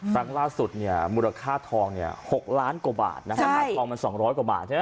ตั้งล่าสุดมูลค่าทอง๖ล้านกว่าบาทใช่มูลค่าทองมัน๒๐๐กว่าบาทใช่ไหม